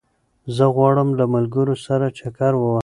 زه غواړم له ملګرو سره چکر ووهم